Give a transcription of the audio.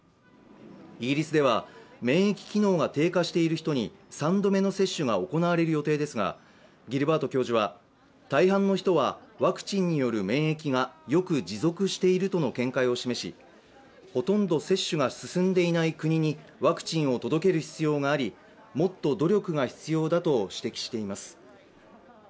イギリスでは免疫機能が低下している人に３度目の接種が行われる予定ですが、ギルバート教授は大半の人はワクチンによる免疫がよく持続しているとの見解を示しほとんど接種が進んでいない国にワクチンを届ける必要がありもっと努力が必要だと指摘しています。